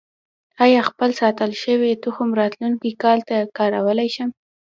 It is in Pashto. آیا خپل ساتل شوی تخم راتلونکي کال ته کارولی شم؟